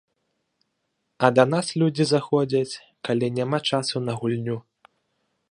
А да нас людзі заходзяць, калі няма часу на гульню.